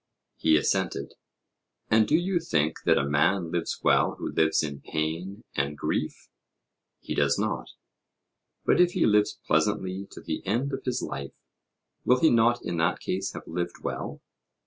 He assented. And do you think that a man lives well who lives in pain and grief? He does not. But if he lives pleasantly to the end of his life, will he not in that case have lived well?